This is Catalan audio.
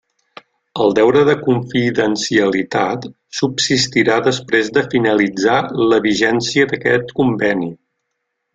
El deure de confidencialitat subsistirà després de finalitzar la vigència d'aquest conveni.